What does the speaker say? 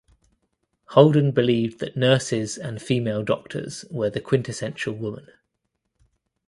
Holden believed that nurses and female doctors were the quintessential woman.